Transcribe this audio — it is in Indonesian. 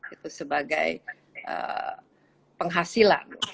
itu sebagai penghasilan